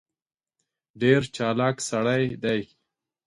ډېر چالاک سړی دی.